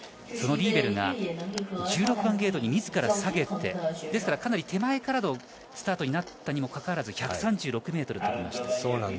そのリーベルが自ら１６番ゲートに下げてですから、かなり手前からのスタートになったにもかかわらず１３６ｍ飛びました。